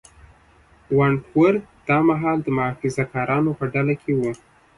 ونټ ورت دا مهال د محافظه کارانو په ډله کې و.